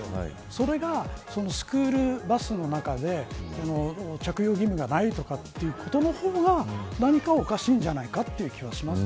それがスクールバスの中で着用義務がないということの方が何かおかしいんじゃないかという気がします。